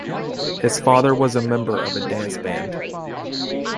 His father was a member of a dance band.